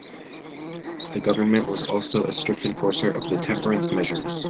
The government was also a strict enforcer of temperance measures.